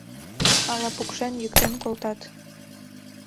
Ала пукшен-йӱктен колтат.